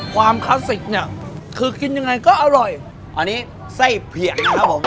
คลาสสิกเนี่ยคือกินยังไงก็อร่อยอันนี้ไส้เผยกนะครับผม